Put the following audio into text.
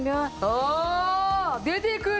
ああ出てくる！